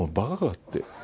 って。